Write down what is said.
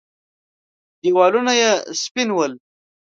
دېوالونه يې سپين ول.